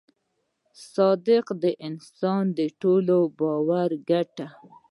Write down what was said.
• صادق انسان د ټولو باور ګټي.